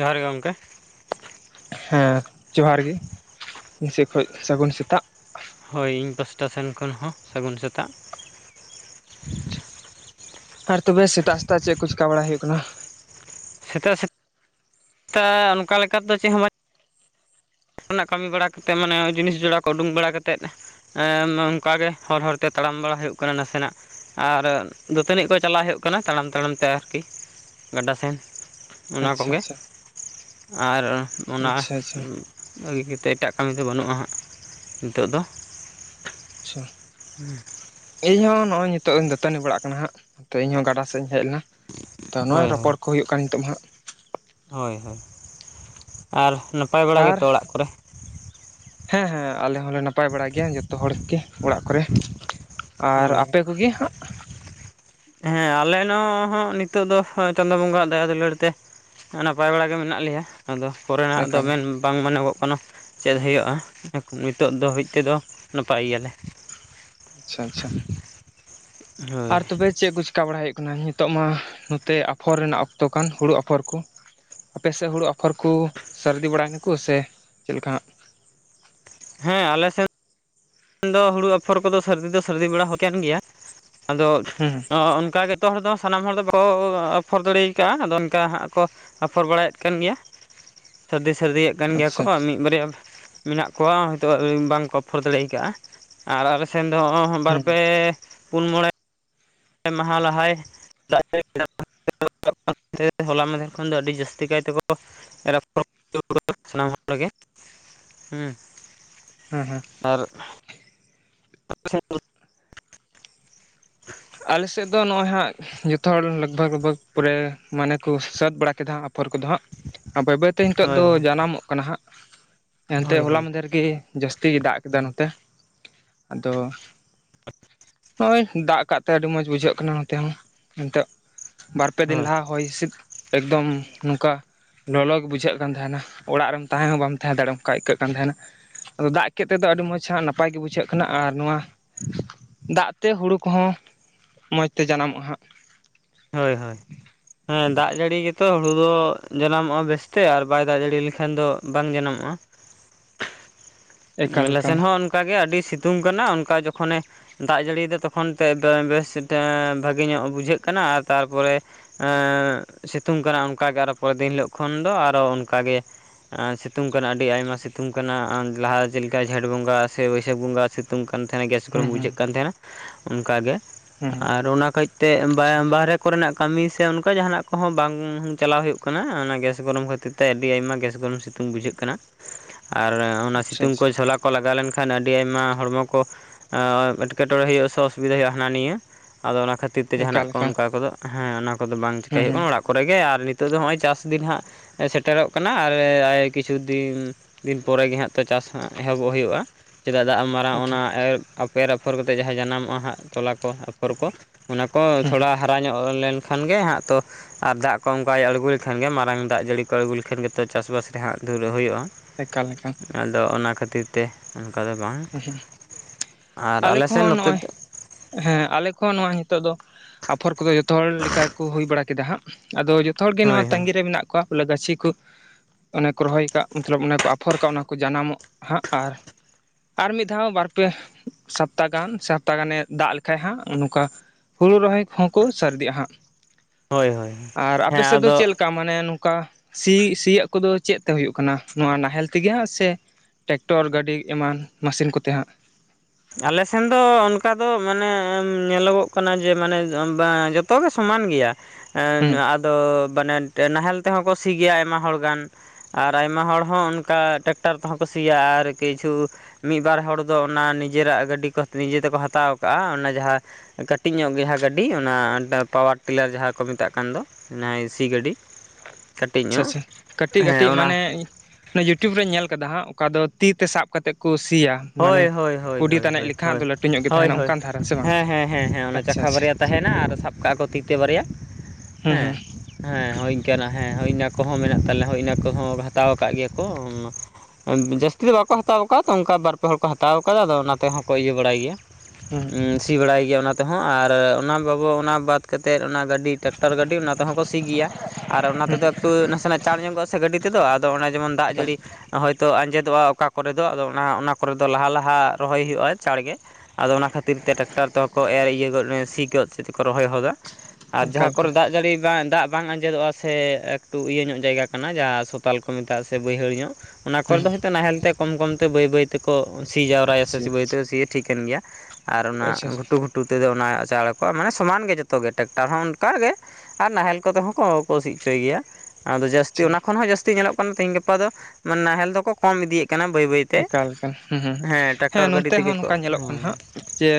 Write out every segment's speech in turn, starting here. ᱡᱚᱦᱟᱨ ᱜᱮ ᱜᱚᱢᱠᱮ ᱦᱮᱸ ᱡᱚᱦᱟᱨ ᱜᱮ ᱤᱧ ᱥᱮᱫ ᱠᱷᱚᱱ ᱥᱟᱹᱜᱩᱱ ᱥᱮᱛᱟᱜ ᱦᱳᱭ ᱤᱧ ᱯᱟᱥᱴᱟ ᱥᱮᱱ ᱠᱷᱚᱱ ᱦᱚᱸ ᱥᱟᱹᱜᱩᱱ ᱥᱮᱛᱟᱜᱼᱼ ᱟᱨ ᱛᱚᱵᱮ ᱥᱮᱛᱟᱜ ᱥᱮᱛᱟᱜ ᱪᱮᱫ ᱠᱚ ᱪᱤᱠᱟ ᱵᱟᱲᱟ ᱦᱩᱭᱩᱜ ᱠᱟᱱᱟ᱾ ᱥᱮᱛᱟᱜ ᱥᱮᱛᱟᱜ ᱚᱱᱠᱟ ᱞᱮᱠᱟ ᱫᱚ ᱪᱮᱫ ᱦᱚᱸ ᱨᱮᱱᱟᱜ ᱠᱟᱹᱢᱤ ᱵᱟᱲᱟ ᱠᱟᱛᱮᱫ ᱢᱟᱱᱮ ᱡᱤᱱᱤᱥ ᱡᱚᱲᱟ ᱠᱚ ᱩᱰᱩᱠ ᱵᱟᱲᱟ ᱠᱟᱛᱮᱫ ᱚᱱᱠᱟᱟᱜ ᱜᱮ ᱦᱚᱨ ᱦᱚᱨᱛᱮ ᱛᱟᱲᱟᱢ ᱵᱟᱲᱟ ᱦᱩᱭᱩᱜ ᱠᱟᱱᱟ ᱱᱟᱥᱮᱱᱟᱜᱼᱼ ᱟᱨ ᱫᱟᱛᱟᱹᱱᱤᱡ ᱠᱚ ᱪᱟᱞᱟᱜ ᱦᱩᱭᱩᱜ ᱠᱟᱱᱟ ᱛᱟᱲᱟᱢ ᱛᱟᱲᱟᱢ ᱛᱮ ᱟᱨᱠᱤ ᱜᱟᱰᱟ ᱥᱮᱱᱼᱼ ᱚᱱᱟ ᱟᱪᱪᱷᱟ ᱠᱚᱜᱮ ᱟᱪᱪᱷᱟ ᱟᱨ ᱚᱱᱟ᱾ ᱟᱪᱪᱷᱟ ᱟᱪᱪᱷᱟ ᱵᱟᱹᱜᱤ ᱠᱟᱛᱮᱫ ᱮᱴᱟᱜ ᱠᱟᱹᱢᱤ ᱫᱚ ᱵᱟᱹᱱᱩᱜᱼᱟ ᱦᱟᱸᱜ ᱱᱤᱛᱚᱜ ᱫᱚ ᱪᱷᱟ ᱤᱧᱦ ᱱᱚᱜ ᱚᱭ ᱱᱤᱛᱚᱜ ᱤᱧ ᱫᱟᱹᱛᱟᱹᱱᱤ ᱵᱟᱲᱟᱜ ᱠᱟᱱᱟ ᱦᱟᱸᱜ ᱛᱚ ᱤᱧᱦᱚᱸ ᱜᱟᱰᱟ ᱥᱮᱫ ᱤᱧ ᱦᱮᱡ ᱞᱮᱱᱟ᱾ ᱛᱚ ᱱᱚᱜᱼᱚᱭ ᱦᱳᱭ ᱦᱳᱭ ᱨᱚᱯᱚᱲ ᱠᱚ ᱦᱩᱭᱩᱜ ᱠᱟᱱ ᱱᱤᱛᱳᱜ ᱦᱟᱸᱜ ᱦᱳᱭ ᱦᱳᱭ ᱟᱨ ᱱᱟᱯᱟᱭ ᱵᱟᱲᱟ ᱟᱨ ᱜᱮᱛᱚ ᱚᱲᱟᱜ ᱠᱚᱨᱮᱼᱼ ᱦᱮᱸ ᱦᱮᱸ ᱟᱞᱮ ᱦᱚᱸᱞᱮ ᱱᱟᱯᱟᱭ ᱵᱟᱲᱟ ᱜᱮᱭᱟ ᱡᱚᱛᱚ ᱦᱚᱲ ᱜᱮ ᱚᱲᱟᱜ ᱠᱚᱨᱮᱼᱼ ᱟᱨ ᱦᱳᱭ ᱟᱯᱮ ᱠᱚᱜᱮ ᱦᱟᱸᱜ ᱦᱮᱸ ᱟᱞᱮ ᱱᱚ ᱱᱤᱛᱚᱜ ᱫᱚ ᱪᱟᱸᱫᱳ ᱵᱚᱸᱜᱟᱣᱜ ᱫᱟᱭᱟ ᱫᱩᱞᱟᱹᱲ ᱛᱮ ᱱᱟᱯᱟᱭ ᱵᱟᱲᱟ ᱜᱮ ᱢᱮᱱᱟᱜ ᱞᱮᱭᱟ ᱟᱫᱚ ᱯᱚᱨᱮᱱᱟᱜ ᱫᱚ ᱮᱠᱟᱞ ᱢᱮᱱ ᱵᱟᱝ ᱢᱮᱱᱟᱱᱚᱜᱚᱜ ᱠᱟᱱᱟ ᱪᱮᱫ ᱦᱩᱭᱩᱜᱼᱟ ᱱᱤᱛᱚᱜ ᱫᱚ ᱦᱟᱹᱤᱡ ᱛᱮᱫᱚ ᱱᱟᱯᱟᱭ ᱜᱮᱭᱟᱞᱮ᱾ ᱟᱪᱪᱷᱟ ᱟᱪᱪᱷᱟ ᱦᱳᱭ ᱟᱨ ᱛᱚᱵᱮ ᱪᱮᱫ ᱠᱚ ᱪᱮᱠᱟ ᱵᱟᱲᱟᱟᱭ ᱦᱩᱭᱩᱜ ᱠᱟᱱᱟ᱾ ᱱᱤᱛᱚᱜ ᱢᱟ ᱱᱚᱛᱮ ᱟᱯᱷᱚᱨ ᱨᱮᱱᱟᱜ ᱚᱠᱛᱚ ᱠᱟᱱ ᱦᱩᱲᱩ ᱟᱯᱷᱚᱨ ᱠᱚ᱾ ᱟᱯᱮᱥᱮᱫ ᱦᱩᱲᱩ ᱟᱯᱷᱚᱨᱠᱩ ᱥᱟᱹᱨᱫᱤ ᱵᱟᱲᱟᱭᱱᱟᱠᱚ ᱥᱮ ᱪᱮᱫᱮᱠᱟ᱾ ᱦᱮᱸ ᱟᱞᱮ ᱥᱮᱱ ᱫᱚ ᱦᱩᱲᱩ ᱟᱯᱷᱚᱨ ᱠᱚᱫᱚ ᱥᱟᱹᱨᱫᱤ ᱫᱚ ᱥᱟᱹᱨᱫᱤ ᱵᱮᱲᱟ ᱦᱚᱸᱠᱮᱱ ᱜᱮᱭᱟ ᱟᱫᱚ ᱦᱮᱸ ᱦᱮᱸ ᱚᱸ ᱚᱱᱠᱟ ᱡᱚᱛᱚ ᱦᱚᱲ ᱫᱚ ᱥᱟᱱᱟᱢ ᱦᱚᱲ ᱫᱚ ᱵᱟᱠᱚ ᱟᱯᱷᱚᱨ ᱫᱟᱲᱮ ᱟᱠᱟᱫᱼᱟ ᱟᱫᱚ ᱚᱱᱠᱟ ᱦᱟᱸᱜ ᱠᱚᱼᱼ ᱟᱯᱷᱚᱨ ᱵᱟᱲᱟᱭᱮᱫ ᱠᱟᱱ ᱜᱮᱭᱟ ᱥᱟᱹᱨᱫᱤ ᱥᱟᱹᱨᱫᱤᱭᱟᱜᱼᱼ ᱠᱟᱱ ᱟᱪᱪᱷᱟ ᱜᱮᱭᱟᱠᱚ ᱟᱪᱪᱷᱟ ᱢᱤᱫ ᱵᱟᱨᱭᱟ ᱢᱮᱱᱟᱜ ᱠᱚᱣᱟ ᱦᱭᱛᱳ ᱵᱟᱝᱠᱚ ᱚᱯᱷᱚᱨ ᱫᱟᱲᱮᱭᱟ᱾ ᱠᱟ ᱟ ᱟᱨ ᱟᱞᱮ ᱥᱮᱱ ᱫᱚ ᱦᱮᱸ ᱵᱟᱨᱯᱮ ᱯᱩᱱ ᱢᱚᱬᱮ ᱢᱟᱦᱟ ᱞᱟᱦᱟᱭ [inaudible] [inaudible] ᱦᱚᱞᱟ ᱢᱟᱦᱫᱮᱨ ᱠᱷᱚᱱ ᱫᱚ ᱟᱹᱰᱤ ᱡᱟᱹᱥᱛᱤ ᱠᱟᱭ ᱛᱮᱠᱚ [inaudible] ᱥᱟᱱᱟᱢ ᱦᱚᱲᱜᱮ ᱦᱮᱸ ᱦᱮᱸ ᱦᱮᱸ ᱟᱨ [unintelligible] [unintelligible] ᱟᱞᱮ ᱥᱮᱫ ᱫᱚ ᱱᱚᱜᱼᱚᱭ ᱦᱟᱸᱜ᱾ ᱡᱚᱛᱚ ᱦᱚᱲ ᱞᱟᱜᱽᱵᱷᱟᱜᱽ ᱞᱟᱜᱽᱵᱷᱟᱜᱽ ᱯᱚᱨᱮ ᱢᱟᱱᱮ ᱠᱚ ᱥᱟᱹᱛ ᱵᱟᱲᱟ ᱠᱮᱫᱟ ᱟᱯᱷᱚᱨ ᱠᱚᱫᱚ ᱦᱟᱸᱜ᱾ ᱟᱨ ᱵᱟᱹᱭ ᱵᱟᱹᱭᱛᱮ ᱱᱤᱛᱚᱜ ᱦᱳᱭ ᱫᱚ ᱡᱟᱱᱟᱢᱚᱜ ᱠᱟᱱᱟ ᱦᱟᱸᱜ ᱦᱳᱭ ᱮᱱᱛᱜ ᱦᱚᱞᱟ ᱦᱳᱭ ᱢᱟᱦᱫᱷᱮᱨ ᱜᱮ᱾ ᱡᱟᱹᱥᱛᱤ ᱫᱟᱜ ᱠᱮᱫᱟ ᱱᱚᱛᱮ ᱟᱫᱚ ᱱᱚᱜ-ᱚᱭ ᱫᱟᱜ ᱠᱟᱜ᱾ ᱛᱮ ᱟᱹᱰᱤ ᱢᱚᱸᱡᱽ ᱵᱩᱡᱷᱟᱹᱜ ᱠᱟᱱᱟ ᱱᱚᱛᱮ ᱦᱚᱸ ᱱᱤᱛᱚᱜ ᱵᱟᱨ ᱯᱮ ᱫᱤᱱ ᱦᱳᱭ ᱞᱟᱦᱟ᱾ [unintelligible] ᱦᱚᱭ ᱦᱤᱥᱤᱫ ᱮᱠᱫᱚᱢ ᱱᱚᱝᱠᱟ᱾ ᱞᱚᱞᱚ ᱜᱮ ᱵᱩᱡᱷᱟᱹᱜ ᱠᱟᱱ ᱛᱟᱦᱮᱱᱟ ᱚᱲᱟᱜ ᱨᱮᱢ ᱛᱟᱦᱮᱸ ᱦᱚᱸ ᱵᱟᱢ ᱛᱟᱦᱮᱸ ᱫᱟᱲᱮᱭᱟᱜᱼᱟ ᱚᱱᱠᱟ ᱟᱹᱭᱠᱟᱹᱜ ᱠᱟᱱ ᱛᱟᱦᱮᱱᱟ᱾ ᱟᱫᱚ ᱫᱟᱜ ᱠᱮᱫ ᱛᱮᱫᱚ ᱟᱹᱰᱤ ᱢᱚᱸᱡ ᱱᱟᱯᱟᱭ ᱜᱮ ᱵᱩᱡᱷᱟᱹᱜ ᱠᱟᱱᱟ ᱟᱨ ᱱᱚᱣᱟ᱾ ᱫᱟᱜ ᱛᱮ ᱦᱩᱲᱩ ᱠᱚᱦᱚᱸᱼᱼ ᱢᱚᱸᱡᱽ ᱛᱮ ᱡᱟᱱᱟᱢᱚᱜᱼᱟ ᱦᱟᱸᱜ᱾ ᱦᱳᱭ ᱦᱳᱭ ᱦᱮᱸ ᱫᱟᱜ ᱡᱟᱹᱲᱤ ᱜᱮᱛᱚ ᱦᱩᱲᱩ ᱫᱚ ᱡᱟᱱᱟᱢᱚᱜᱼᱟ ᱵᱮᱥᱛᱮ ᱟᱨ ᱵᱟᱭ ᱫᱟᱜ ᱡᱟᱹᱲᱤ ᱞᱮᱠᱷᱟᱱ ᱫᱚ ᱵᱟᱝ ᱡᱟᱱᱟᱢᱚᱜᱼᱟ᱾ ᱮᱠᱟᱞ ᱞᱮ ᱮᱠᱟᱞ ᱥᱮᱱ ᱦᱚᱸ ᱚᱱᱠᱟᱜᱮ ᱟᱹᱰᱤ ᱥᱤᱛᱩᱝ ᱠᱟᱱᱟ ᱚᱱᱠᱟ ᱡᱚᱠᱷᱚᱱ ᱮ᱾ ᱫᱟᱜ ᱡᱟᱹᱲᱤ ᱛᱚᱠᱷᱚᱱ ᱛᱮ ᱵᱮᱥ ᱵᱷᱟᱹᱜᱮ ᱧᱚᱜ ᱵᱩᱡᱷᱟᱹᱜ ᱠᱟᱱᱟ ᱛᱟᱨᱯᱚᱨᱮᱼᱼ ᱮᱸ ᱥᱤᱛᱩᱝ ᱠᱟᱱᱟ ᱚᱱᱠᱟᱜᱮ ᱯᱚᱨᱮ ᱫᱤᱱ ᱦᱤᱞᱳᱜ ᱠᱷᱚᱱ ᱫᱚ ᱟᱨ ᱚᱱᱠᱟᱜᱮ᱾ ᱮᱸᱻ ᱥᱤᱛᱩᱝ ᱠᱟᱱᱟ ᱟᱹᱰᱤ ᱟᱭᱢᱟ ᱥᱤᱛᱩᱝ ᱠᱟᱱᱟ ᱞᱟᱦᱟᱼᱼ ᱡᱮᱞᱮᱠᱟ ᱡᱷᱟᱮᱸᱴ ᱵᱚᱸᱜᱟ ᱥᱮ ᱵᱟᱹᱭᱥᱟᱹᱠᱷ ᱵᱚᱸᱜᱟ ᱥᱤᱛᱩᱝ ᱠᱟᱱ ᱛᱟᱦᱮᱱᱟ ᱜᱮᱥ ᱦᱮᱸ ᱜᱚᱨᱚᱢ ᱦᱮᱸ ᱵᱩᱡᱷᱟᱹᱜ ᱠᱟᱱ ᱛᱟᱦᱮᱱᱟ ᱚᱱᱠᱟ ᱜᱮ᱾ ᱦᱩᱸ ᱦᱩᱸ ᱟᱨ ᱚᱱᱟ ᱠᱟᱹᱡ᱾ ᱮᱸᱻ ᱵᱟᱨᱦᱮ ᱠᱚᱨᱮᱱᱟᱜ ᱠᱟᱹᱢᱤ ᱥᱮ ᱚᱱᱠᱟ ᱡᱟᱦᱟᱱᱟᱜ ᱠᱚᱦᱚᱸ ᱵᱟᱝ ᱪᱟᱞᱟᱣ ᱦᱩᱭᱩᱜ ᱠᱟᱱᱟ ᱚᱱᱟ ᱜᱮᱥ ᱜᱚᱨᱚᱢ ᱠᱷᱟᱹᱛᱤᱨᱼᱼ ᱛᱮ ᱟᱹᱰᱤ ᱟᱭᱢᱟ ᱜᱮᱥ ᱜᱚᱨᱚᱢ ᱥᱤᱛᱩᱝ ᱵᱩᱡᱷᱟᱹᱜ ᱠᱟᱱᱟ᱾ [inaudible] ᱟᱨ ᱚᱱᱟ ᱟᱪᱪᱷᱟ ᱥᱤᱛᱩᱝ ᱠᱚ ᱟᱪᱪᱷᱟ ᱡᱷᱚᱞᱟ ᱠᱚ ᱞᱟᱜᱟᱣ ᱞᱮᱱᱠᱷᱟᱱ ᱟᱹᱰᱤ ᱟᱭᱢᱟ ᱦᱚᱲᱢᱚ ᱠᱚ᱾ ᱮᱴᱠᱮᱴᱚᱬᱮ ᱦᱩᱭᱩᱜᱼᱟ ᱥᱮ ᱚᱥᱩᱵᱤᱫᱟ ᱦᱩᱭᱩᱜᱼᱟ ᱦᱟᱱᱟ ᱱᱤᱭᱟᱹ ᱟᱫᱚ ᱚᱱᱟ ᱠᱷᱟᱹᱛᱤᱨᱼᱼ ᱠᱷᱟᱹᱛᱤᱨ ᱛᱮ ᱮᱠᱟᱞ ᱡᱟᱦᱟᱱᱟᱜ ᱠᱚ ᱮᱠᱟᱞ ᱚᱱᱠᱟ ᱠᱚᱫᱚ ᱦᱮᱸ ᱚᱱᱟ ᱠᱚᱫᱚ ᱵᱟᱝ ᱪᱤᱠᱟᱹᱭ ᱦᱩᱸ ᱦᱩᱭᱩᱜ ᱦᱩᱸ ᱠᱟᱱᱟ ᱚᱲᱟᱜ ᱠᱚᱨᱮᱜᱮ ᱟᱨ ᱱᱤᱛᱚᱜ ᱫᱚ ᱱᱚᱜᱼᱚᱭ ᱪᱟᱥ ᱫᱤᱱ ᱦᱟᱸᱜᱼᱼ ᱥᱮᱴᱮᱨᱚᱜ ᱠᱟᱱᱟ ᱟᱨ ᱮᱸᱻ ᱠᱤᱪᱷᱩ ᱫᱤᱱ, ᱫᱤᱱ ᱯᱚᱨᱮ ᱜᱮ ᱦᱟᱸᱜ ᱛᱚ ᱪᱟᱥᱼᱼ ᱮᱦᱚᱵᱚᱜ ᱦᱩᱭᱩᱜᱼᱟ ᱪᱮᱫᱟᱜ ᱫᱟᱜ ᱮᱢ ᱢᱟᱨᱟᱣ ᱮᱠᱟᱞ ᱚᱱᱟ ᱮᱯᱼᱼ ᱟᱯᱮᱨ ᱟᱯᱷᱚᱨ ᱠᱟᱛᱮ ᱡᱟᱦᱟᱸ ᱡᱟᱱᱟᱢᱚᱜᱼᱟ ᱦᱟᱸᱜ ᱛᱚᱞᱟ ᱠᱚ ᱟᱯᱷᱚᱨ ᱠᱚ ᱚᱱᱟ ᱠᱚ ᱛᱷᱚᱲᱟᱼᱼ [unintelligible] ᱭᱚᱸᱜ ᱞᱮᱱ ᱠᱷᱟᱱ ᱜᱮ ᱦᱟᱸᱜ ᱛᱚ᱾ ᱟᱨ ᱫᱟᱜ ᱠᱚ ᱚᱱᱠᱟᱭ ᱟᱬᱜᱚ ᱞᱮᱠᱷᱟᱱ ᱜᱮ ᱢᱟᱨᱟᱝ ᱫᱟᱜ ᱡᱟᱹᱲᱤ ᱠᱚ ᱟᱹᱬᱜᱩ ᱞᱮᱠᱷᱟᱱ ᱜᱮᱛᱚ ᱪᱟᱥᱵᱟᱥ ᱨᱮ ᱦᱟᱸᱜ ᱫᱷᱩᱨᱟᱹᱜ ᱦᱩᱭᱩᱜᱼᱟ᱾ ᱮᱠᱟᱞ ᱮᱠᱟᱞ ᱟᱫᱚ ᱚᱱᱟ ᱠᱷᱟᱹᱛᱤᱨ ᱛᱮ ᱚᱱᱠᱟ ᱫᱚ ᱵᱟᱝ ᱟᱨ ᱟᱞᱮ ᱥᱮᱫ ᱠᱚᱦᱚᱸ ᱱᱚᱛᱮᱼᱼ ᱱᱚᱜᱼᱚᱭ ᱦᱮᱸ ᱟᱞᱮ ᱠᱚᱸ ᱱᱚᱣᱟ ᱱᱤᱛᱚᱜ ᱫᱚ ᱟᱯᱷᱚᱨ ᱠᱚᱫᱚ ᱡᱚᱛᱚ ᱦᱚᱲ ᱞᱮᱠᱟ ᱠᱚ ᱦᱩᱭ ᱵᱟᱲᱟ ᱠᱮᱫᱟ ᱦᱟᱸᱜ᱾ ᱟᱫᱚ ᱡᱚᱛᱚ ᱦᱚᱲ ᱜᱮ ᱱᱚᱣᱟ ᱦᱳᱭ ᱦᱳᱭ ᱛᱟᱹᱜᱤ ᱨᱮ ᱢᱮᱱᱟᱜᱼᱼ [unintelligible] ᱵᱚᱞᱮ ᱜᱟᱹᱪᱷᱤ ᱠᱚ ᱚᱱᱮ ᱠᱚ ᱨᱚᱦᱚᱭ ᱟᱠᱟᱟᱜ ᱢᱚᱛᱞᱚᱵ ᱚᱱᱮ ᱠᱚ ᱟᱯᱷᱚᱨ ᱠᱟᱜ ᱚᱱᱟ ᱠᱚ ᱡᱟᱱᱟᱢᱚᱜ ᱦᱟᱸᱜ ᱟᱨ᱾ ᱟᱨ ᱢᱤᱫ ᱫᱷᱟᱣ ᱵᱟᱨ ᱯᱮ ᱥᱚᱯᱛᱟ ᱜᱟᱱ ᱥᱮ ᱥᱚᱯᱛᱟ ᱜᱟᱱᱮ ᱫᱟᱜ ᱞᱮᱠᱷᱟᱱ ᱦᱟᱸᱜ ᱱᱚᱝᱠᱟ᱾ ᱦᱩᱲᱩ ᱨᱚᱦᱚᱭ ᱠᱚ ᱦᱚᱸ ᱠᱚ ᱥᱟᱨᱫᱤᱜᱼᱟ ᱦᱟᱸᱜ ᱦᱳᱭ ᱦᱳᱭ ᱟᱨ ᱦᱮᱸ ᱟᱯᱮ ᱥᱮᱫ ᱫᱚ ᱪᱮᱫ ᱟᱫᱚ ᱞᱮᱠᱟ? ᱢᱟᱱᱮ ᱱᱚᱝᱠᱟ ᱥᱤ ᱥᱤᱭᱳᱜ ᱠᱚᱫᱚ ᱪᱮᱫ ᱛᱮ ᱠᱟᱱᱟ ᱱᱚᱣᱟ ᱱᱟᱦᱮᱞ ᱛᱮᱜᱮ ᱦᱟᱸᱜ ᱥᱮᱼᱼ ᱴᱮᱠᱴᱚᱨ ᱜᱟᱹᱰᱤ ᱮᱢᱟᱱ ᱢᱟᱹᱥᱤᱱ ᱠᱚᱛᱮ ᱦᱟᱸᱜ? ᱟᱞᱮ ᱥᱮᱱ ᱫᱚ ᱚᱱᱠᱟ ᱫᱚ ᱢᱟᱱᱮ ᱧᱮᱞᱚᱜᱚᱜ ᱠᱟᱱᱟ ᱡᱮ ᱢᱟᱱᱮ ᱵᱟᱝ ᱡᱚᱛᱚᱜᱮ ᱥᱚᱢᱟᱱ ᱜᱮᱭᱟ᱾ ᱮᱸᱻ ᱦᱩᱸ ᱟᱫᱚ [unintelligible] ᱱᱟᱦᱮᱞ ᱛᱮᱦᱚᱸ ᱠᱚ ᱥᱤ ᱜᱮᱭᱟ ᱟᱭᱢᱟ ᱦᱚᱲ ᱜᱟᱱ᱾ ᱟᱨ ᱟᱭᱢᱟ ᱦᱚᱲ ᱦᱚᱸ ᱚᱱᱠᱟ ᱴᱮᱠᱴᱟᱨ ᱛᱮᱦᱚᱸ ᱠᱚ ᱥᱤᱭᱟ ᱟᱨ ᱠᱤᱪᱷᱩᱼᱼ ᱢᱤᱫ ᱵᱟᱨ ᱦᱚᱲ ᱫᱚ ᱚᱱᱟ ᱱᱤᱡᱮᱨᱟᱜ ᱜᱟᱹᱰᱤ ᱠᱚ ᱱᱤᱡᱮ ᱛᱮᱠᱚ ᱦᱟᱛᱟᱣ ᱠᱟᱜᱼᱟ ᱚᱱᱟ ᱡᱟᱦᱟᱸᱼᱼ ᱠᱟᱹᱴᱤᱡ ᱧᱚᱜ ᱜᱮ ᱦᱟᱸᱜ ᱜᱟᱹᱰᱤ ᱚᱱᱟ ᱯᱟᱣᱟᱨ ᱴᱤᱞᱟᱨ ᱡᱟᱦᱟᱸ ᱠᱚ ᱢᱮᱛᱟᱜ ᱠᱟᱱ ᱫᱚ᱾ ᱚᱱᱮ ᱮᱥᱤ ᱜᱟᱹᱰᱤ᱾ ᱠᱟᱹᱴᱤᱡ ᱟᱪᱪᱷᱟ ᱧᱚᱜ ᱟᱪᱪᱷᱟ ᱠᱟᱹᱴᱤᱡ ᱦᱮᱸ ᱠᱟᱹᱴᱤᱡ ᱚᱱᱟ ᱢᱟᱱᱮᱼᱼ ᱚᱱᱟ ᱭᱩᱴᱩᱵᱽ ᱨᱮᱧ ᱧᱮᱞ ᱠᱟᱫᱟ ᱦᱟᱸᱜ ᱚᱠᱟ ᱫᱚ ᱛᱤ ᱛᱮ ᱥᱟᱵ ᱠᱟᱛᱮᱫ ᱠᱚ ᱥᱤᱭᱟ᱾ ᱢᱟᱱᱮ ᱦᱳᱭ ᱦᱳᱭ ᱦᱳᱭ ᱠᱩᱰᱤ ᱦᱳᱭ ᱛᱟᱱᱤᱡ ᱦᱳᱭ ᱞᱮᱠᱷᱟᱱ ᱟᱫᱚ ᱞᱟᱹᱴᱩ ᱧᱚᱜ ᱜᱮ ᱦᱳᱭ ᱛᱟᱦᱮᱱᱟ ᱦᱳᱭ ᱚᱱᱠᱟᱱ ᱫᱷᱟᱨᱟ ᱥᱮ ᱵᱟᱝ ᱦᱮᱸ ᱦᱮᱸ ᱦᱮᱸ ᱦᱮᱸ ᱦᱮᱸ ᱚᱱᱟ ᱟᱪᱪᱷᱟ ᱪᱟᱠᱷᱟ ᱟᱪᱪᱷᱟ ᱵᱟᱨᱭᱟ ᱛᱟᱦᱮᱱᱟ ᱟᱨ ᱥᱟᱵᱼᱼ ᱠᱟᱜ ᱠᱚ ᱛᱤᱛᱮ ᱵᱟᱨᱭᱟ ᱦᱩᱸ ᱦᱮᱸ᱾ ᱦᱩᱸ ᱦᱮᱸ ᱦᱳᱭ ᱤᱱᱠᱟᱹᱱᱟᱜ ᱦᱮᱸ ᱦᱳᱭ ᱤᱱᱟᱹ ᱠᱚᱦᱚᱸ ᱢᱮᱱᱟᱜ ᱛᱟᱞᱮᱭᱟ ᱦᱳᱭ ᱤᱱᱟᱹ ᱠᱚᱦᱚᱸ ᱦᱟᱛᱟᱣ ᱠᱟᱜ ᱜᱮᱭᱟ ᱠᱚ᱾ ᱡᱟᱹᱥᱛᱤ ᱫᱚ ᱵᱟᱠᱚ ᱦᱟᱛᱟᱣ ᱠᱟᱫ ᱚᱱᱠᱟ ᱵᱟᱨ ᱯᱮ ᱦᱚᱲ ᱠᱚ ᱦᱟᱛᱟᱣ ᱠᱟᱫᱟ ᱟᱫᱚ ᱚᱱᱟ ᱛᱮᱦᱚᱸ ᱠᱚ ᱤᱭᱟᱹ ᱵᱟᱲᱟᱭ ᱜᱮᱭᱟ᱾ ᱦᱩᱸᱻ ᱩᱸ ᱥᱤ ᱵᱟᱲᱟᱭ ᱜᱮᱭᱟ ᱚᱱᱟ ᱛᱮᱦᱚᱸ ᱟᱨ ᱚᱱᱟ ᱵᱟᱵᱚ ᱚᱱᱟ ᱵᱟᱫ ᱠᱟᱛᱮᱫ ᱚᱱᱟ ᱜᱟᱹᱰᱤ ᱴᱮᱠᱴᱚᱨ ᱜᱟᱰᱤ ᱚᱱᱟ ᱛᱮᱦᱚᱸ ᱠᱚ ᱥᱤ ᱜᱮᱭᱟ ᱟᱨ ᱚᱱᱟ ᱦᱩᱸ ᱛᱮᱫᱚ ᱮᱠᱴᱩ ᱱᱟᱥᱮᱱᱟᱜ ᱪᱟᱬ ᱧᱚᱜᱚᱜᱼᱟ ᱥᱮ ᱜᱟᱹᱰᱤ ᱛᱮᱫᱚ ᱟᱫᱚ ᱚᱱᱟ ᱡᱮᱢᱚᱱ ᱫᱟᱜ ᱮᱠᱟᱞ ᱡᱟᱹᱲᱤ ᱦᱚᱭᱛᱚ ᱟᱸᱡᱮᱫᱚᱜᱼᱟ ᱚᱠᱟ ᱠᱚᱨᱮ ᱫᱚ ᱟᱫᱚ ᱚᱱᱟ ᱚᱱᱟ ᱠᱚᱨᱮ ᱫᱚ ᱞᱟᱦᱟ ᱞᱟᱦᱟ ᱨᱚᱦᱚᱭ ᱦᱩᱭᱩᱜᱼᱟ ᱪᱟᱸᱲ ᱜᱮ᱾ ᱟᱫᱚ ᱚᱱᱟ ᱠᱷᱟᱛᱤᱨ ᱛᱮ ᱴᱮᱠᱴᱟᱨ ᱛᱮᱦᱚᱸ ᱠᱚ ᱮᱨ ᱤᱭᱟᱹ ᱜᱚᱫ ᱥᱤ ᱜᱚᱫ ᱥᱮ ᱛᱮᱠᱚ ᱨᱚᱦᱚᱭ ᱦᱚᱫᱟ᱾ ᱟᱨ ᱡᱟᱦᱟᱸ ᱮᱠᱟᱞ ᱠᱚᱨᱮ ᱫᱟᱜ ᱡᱟᱲᱤ ᱵᱟᱝ ᱫᱟᱜ ᱵᱟᱝ ᱟᱸᱡᱮᱫᱚᱜᱼᱟ ᱥᱮ ᱮᱠᱴᱩ ᱤᱭᱟᱹ ᱧᱚᱜ ᱡᱟᱭᱜᱟ ᱠᱟᱱᱟ ᱡᱟᱦᱟᱸ ᱥᱚᱛᱟᱞ ᱠᱚ ᱢᱮᱛᱟᱜᱼᱟ ᱥᱮ ᱵᱟᱹᱭᱦᱟᱹᱲ ᱧᱚᱜ᱾ ᱚᱱᱟ ᱠᱚᱨᱮᱜ ᱦᱩᱸ ᱫᱚ ᱦᱚᱭᱛᱚ ᱱᱟᱦᱮᱞ ᱛᱮ ᱠᱚᱢ ᱠᱚᱢ ᱛᱮ ᱵᱟᱹᱭ ᱵᱟᱹᱭ ᱛᱮᱠᱚ ᱥᱤ ᱡᱟᱣᱨᱟᱭᱟ ᱥᱮ ᱥᱤ ᱟᱪᱪᱷᱟ ᱵᱟᱹᱭ ᱛᱮᱠᱚ ᱥᱤᱭᱟ ᱴᱷᱤᱠᱟᱹᱱ ᱜᱮᱭᱟ, ᱟᱨ ᱚᱱᱟ ᱟᱪᱪᱷᱟ ᱜᱷᱩᱴᱩ ᱜᱷᱩᱴᱩ ᱛᱮᱫᱚ ᱚᱱᱟ ᱟᱪᱟᱬᱟᱠᱚ ᱢᱟᱱᱮ ᱥᱚᱢᱟᱱ ᱜᱮ ᱡᱚᱛᱚ ᱜᱮ ᱴᱮᱠᱴᱟᱨ ᱦᱚᱸ ᱚᱱᱠᱟ ᱜᱮ ᱟᱨ ᱱᱟᱦᱮᱞ ᱠᱚᱛᱮ ᱦᱚᱸᱠᱚ ᱠᱚ ᱥᱤ ᱚᱪᱚᱭ ᱜᱮᱭᱟ, ᱟᱫᱚ ᱡᱟᱹᱥ ᱛᱤ ᱟᱪᱪᱷᱟ ᱚᱱᱟ ᱠᱷᱚᱱ ᱦᱚᱸ ᱡᱟᱹᱥᱛᱤ ᱧᱮᱞᱚᱜ ᱠᱟᱱᱟ ᱛᱮᱦᱤᱧ ᱜᱟᱯᱟ ᱫᱚ ᱢᱟᱱᱮ ᱱᱟᱦᱮᱞ ᱫᱚᱠᱚ ᱠᱚᱢ ᱤᱫᱤᱭᱮᱜ ᱠᱟᱱᱟ ᱵᱟᱹᱭ ᱵᱟᱹᱭ ᱮᱠᱟᱞ ᱮᱠᱟᱞ ᱦᱩᱸ ᱦᱩᱸ, ᱦᱮᱸ ᱱᱚᱱᱛᱮ ᱦᱚᱸ ᱛᱮᱜᱮ ᱠᱚ ᱱᱚᱝᱠᱟ ᱧᱮᱞᱚᱜ ᱠᱟᱱᱟ ᱦᱟᱸᱜ, ᱡᱮ